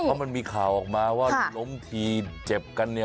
เพราะมันมีข่าวออกมาว่าล้มทีเจ็บกันเนี่ย